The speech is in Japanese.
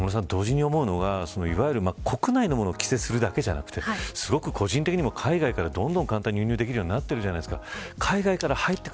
小室さん、同時に思うのが国内のものを規制するだけじゃなくて個人的にも海外からどんどん簡単に輸入できるようになってるじゃないですか。